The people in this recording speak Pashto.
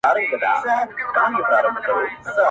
!!هغه دي اوس له ارمانونو سره لوبي کوي!!